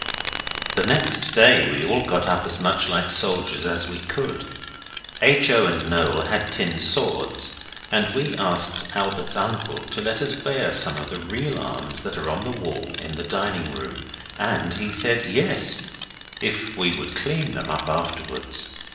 The next day we all got up as much like soldiers as we could. H. O. and Noel had tin swords, and we asked Albert's uncle to let us wear some of the real arms that are on the wall in the dining room. And he said, 'Yes', if we would clean them up afterwards.